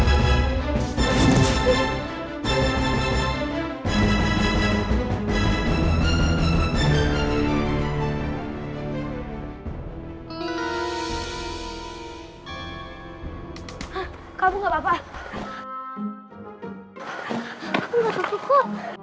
hai kamu enggak papa